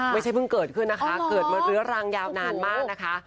เพิ่งเกิดขึ้นนะคะเกิดมาเรื้อรังยาวนานมากนะคะ